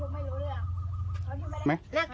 มันมา